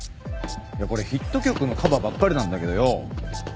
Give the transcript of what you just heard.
これヒット曲のカバーばっかりなんだけどよ